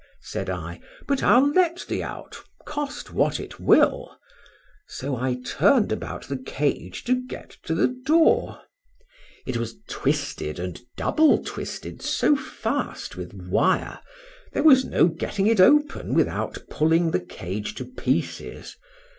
said I, but I'll let thee out, cost what it will; so I turned about the cage to get to the door: it was twisted and double twisted so fast with wire, there was no getting it open without pulling the cage to pieces.